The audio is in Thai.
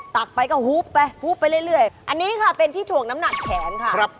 ตักไปก็หุบไปฮุบไปเรื่อยอันนี้ค่ะเป็นที่ถ่วงน้ำหนักแขนค่ะ